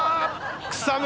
草村